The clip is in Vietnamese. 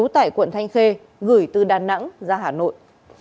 tại quận thanh khê gửi từ đà nẵng ra hà nội